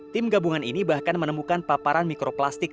tim gabungan ini bahkan menemukan paparan mikroplastik